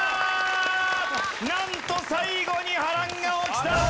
なんと最後に波乱が起きた。